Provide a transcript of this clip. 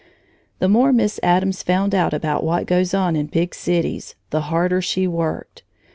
The more Miss Addams found out about what goes on in big cities, the harder she worked.